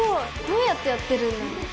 どうやってやってるんだろう？